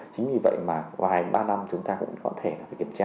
chính vì vậy mà vài ba năm chúng ta cũng có thể kiểm tra